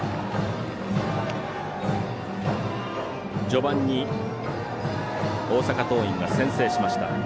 序盤に大阪桐蔭が先制しました。